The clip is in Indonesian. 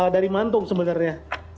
dari mantung sebenarnya